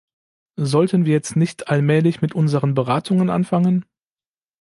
Sollten wir jetzt nicht allmählich mit unseren Beratungen anfangen?